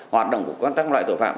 hoạt động của các loại tội phạm